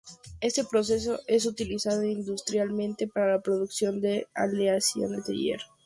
Este proceso es utilizado industrialmente para la producción de aleaciones de hierro.